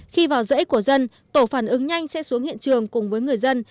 khi vào dãy của dân tổ phản ứng nhanh sẽ xuống hiện trường cùng với người dân